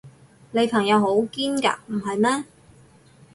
你朋友好堅㗎，唔係咩？